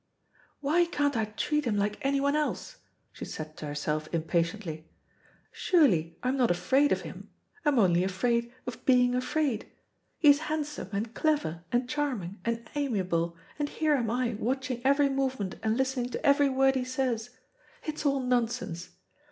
"Why can't I treat him like anyone else?" she said to herself impatiently. "Surely I am not afraid of him. I am only afraid of being afraid. He is handsome, and clever, and charming, and amiable, and here am I watching every movement and listening to every word he says. It's all nonsense.